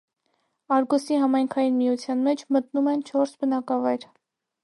Արգոսի համայնքային միության մեջ մտնում են չորս բնակավայր։